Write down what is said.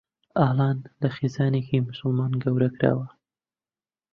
ئالان لە خێزانێکی موسڵمان گەورە کراوە.